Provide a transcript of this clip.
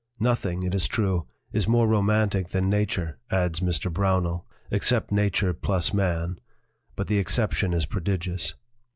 'Nothing, it is true, is more romantic than nature, 1 adds Mr. Brownell, 'except nature plus man. But the exception is prodigious.'